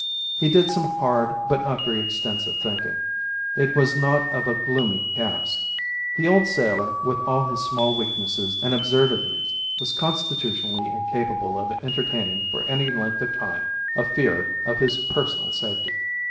He did some hard but not very extensive thinking. It was not of a gloomy cast. The old sailor, with all his small weaknesses and absurdities, was constitutionally incapable of entertaining for any length of time a fear of his personal safety.